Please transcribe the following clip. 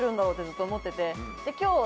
ずっと思ってて。